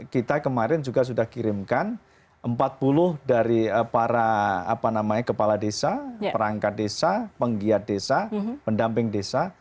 kita kemarin juga sudah kirimkan empat puluh dari para kepala desa perangkat desa penggiat desa pendamping desa